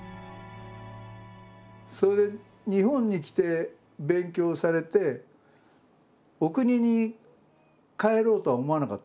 それで日本に来て勉強されてお国に帰ろうとは思わなかった？